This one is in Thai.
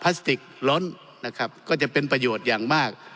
สติกล้นนะครับก็จะเป็นประโยชน์อย่างมาก